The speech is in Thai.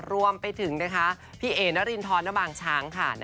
รวมไปถึงนะคะพี่เอ๋นรินทรนบางช้างค่ะ